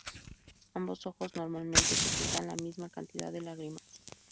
Ambos ojos normalmente secretan la misma cantidad de lágrimas.